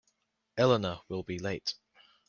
Elena will be late.